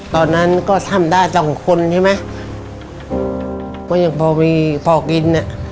ตอนนั้นก็ทำได้สองคนใช่มั้ยพ่อกิน